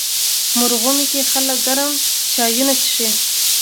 مرغومی کې خلک ګرم چایونه څښي.